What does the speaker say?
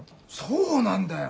そうなんだよ。